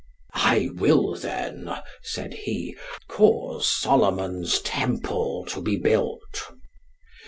I will then, said he, cause Solomon's temple to be built.